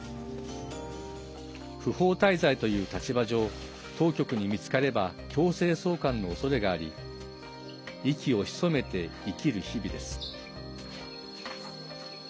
不法滞在という立場上当局に見つかれば強制送還のおそれがあり息を潜めて生きる日々です。